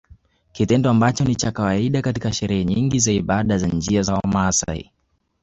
Kitendo ambacho ni cha kawaida katika sherehe nyingi za ibada za njia za Wamaasai